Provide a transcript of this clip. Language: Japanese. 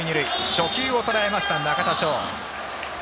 初球をとらえました、中田翔。